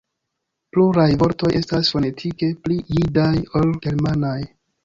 Pluraj vortoj estas fonetike pli jidaj ol germanaj.